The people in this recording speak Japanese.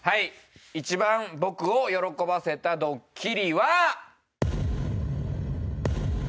一番僕を喜ばせたドッキリは。